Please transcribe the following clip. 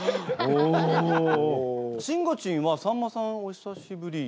しんごちんはさんまさんお久しぶり？